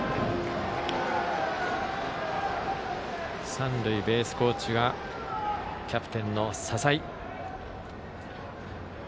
三塁ベースコーチはキャプテンの笹井。